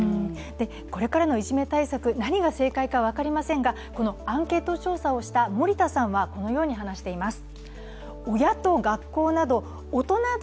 これからのいじめ対策、何が正解かは分かりませんが、アンケート調査をした森田さんはこのように話しています。